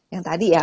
yang tadi ya